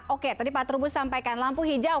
oke tadi pak trubus sampaikan lampu hijau